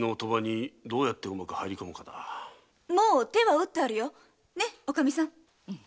もう手は打ってあるよねおかみさん？